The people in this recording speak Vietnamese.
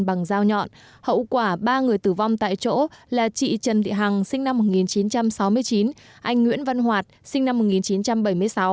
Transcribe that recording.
bằng dao nhọn hậu quả ba người tử vong tại chỗ là chị trần thị hằng sinh năm một nghìn chín trăm sáu mươi chín anh nguyễn văn hoạt sinh năm một nghìn chín trăm bảy mươi sáu